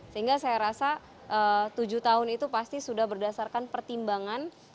sehingga saya rasa tujuh tahun itu pasti sudah berdasarkan pertimbangan